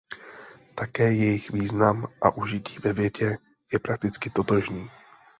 Také jejich význam a užití ve větě je prakticky totožný.